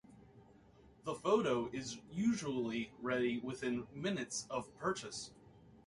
The photo is usually ready within minutes of purchase.